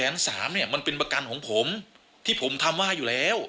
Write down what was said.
สามเนี่ยมันเป็นประกันของผมที่ผมทำว่าอยู่แล้ว